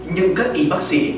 nhưng các y bác sĩ